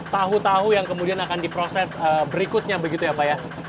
tahu tahu yang kemudian akan diproses berikutnya begitu ya pak ya